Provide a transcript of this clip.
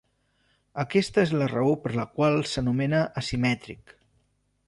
Aquesta és la raó per la qual s'anomena asimètric.